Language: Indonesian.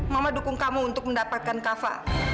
mama dukung kamu untuk mendapatkan kafa